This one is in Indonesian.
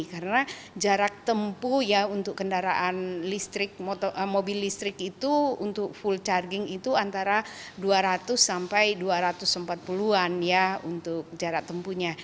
karena jarak tempuh untuk kendaraan mobil listrik itu untuk full charging itu antara dua ratus sampai dua ratus empat puluh an untuk jarak tempuhnya